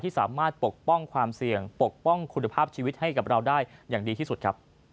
สามารถปกป้องความเสี่ยงปกป้องคุณภาพชีวิตให้กับเราได้อย่างดีที่สุดครับ